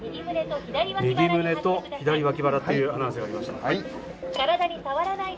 右胸と左わき腹というアナウンスがありました。